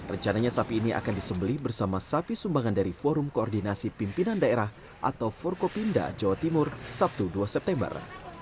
rencananya sapi ini akan disembeli bersama sapi sumbangan dari forum koordinasi pimpinan daerah atau forkopinda jawa timur sabtu dua september